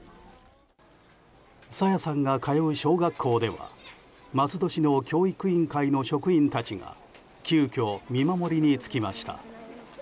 朝芽さんが通う小学校では松戸市の教育委員会の職員たちが急きょ見守りにつきました。